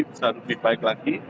bisa lebih baik lagi